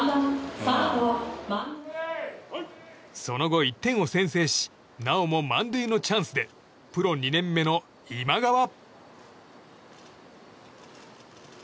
その後、１点を先制しなおも満塁のチャンスでプロ２年目の今川。